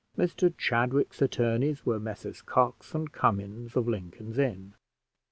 Mr Chadwick's attorneys were Messrs Cox and Cummins, of Lincoln's Inn.